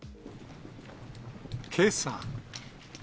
けさ。